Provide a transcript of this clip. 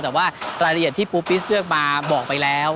แต่ว่ารายละเอียดที่ปูปิสเลือกมาบอกไปแล้ว